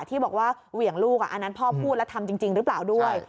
ที่บอกว่าเหวี่ยงลูกอันนั้นพ่อพูดแล้วทำจริงหรือเปล่าด้วย